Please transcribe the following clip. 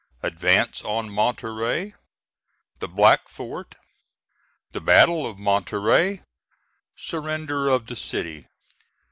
ADVANCE ON MONTEREY THE BLACK FORT THE BATTLE OF MONTEREY SURRENDER OF THE CITY.